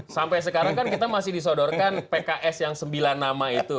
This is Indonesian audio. sampai sekarang kan kita masih disodorkan pks yang sembilan nama itu